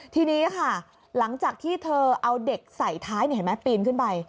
ทีนี้ค่ะหลังจากที่เธอเอาเด็กใส่ท้ายเห็นไหมปีนขึ้นไป